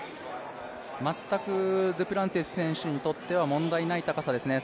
全くデュプランティス選手にとっては問題ない高さですね。